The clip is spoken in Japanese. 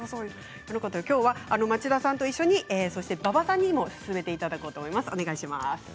今日は町田さんと一緒に馬場さんにも進めていただこうと思います。